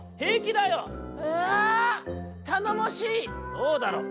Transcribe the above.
「そうだろう。